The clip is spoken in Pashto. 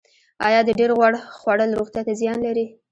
ایا د ډیر غوړ خوړل روغتیا ته زیان لري